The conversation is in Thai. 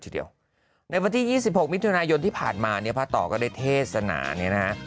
ในวันที่๒๖มิถุนายนที่ผ่านมาเนี่ยพระต่อก็ได้เทศนาเนี่ยนะฮะ